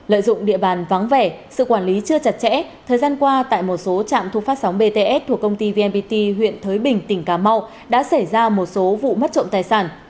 lợi dụng địa bàn vắng vẻ sự quản lý chưa chặt chẽ thời gian qua tại một số trạm thu phát sóng bts thuộc công ty vnpt huyện thới bình tỉnh cà mau đã xảy ra một số vụ mất trộm tài sản